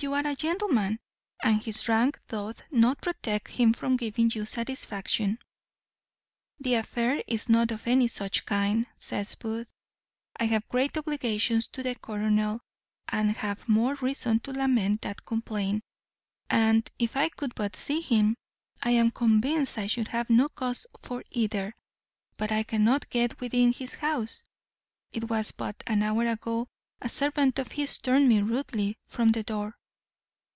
you are a gentleman, and his rank doth not protect him from giving you satisfaction." "The affair is not of any such kind," says Booth; "I have great obligations to the colonel, and have more reason to lament than complain; and, if I could but see him, I am convinced I should have no cause for either; but I cannot get within his house; it was but an hour ago a servant of his turned me rudely from the door."